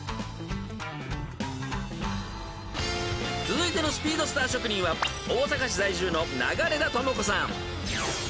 ［続いてのスピードスター職人は大阪市在住の］